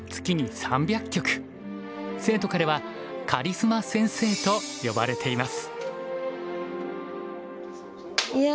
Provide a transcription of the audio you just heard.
生徒からは「カリスマ先生」と呼ばれています。